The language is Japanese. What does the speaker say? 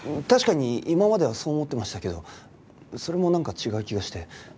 確かに今まではそう思ってましたけどそれもなんか違う気がして。